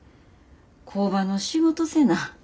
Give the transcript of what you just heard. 工場の仕事せな。